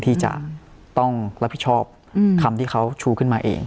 ที่จะต้องรับผิดชอบคำที่เขาชูขึ้นมาเอง